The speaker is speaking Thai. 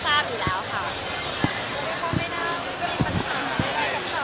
อะไรแบบนี้เขาทราบอยู่แล้วค่ะ